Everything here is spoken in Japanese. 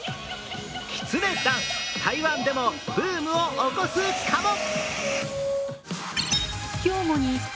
きつねダンス、台湾でもブームを起こすかも？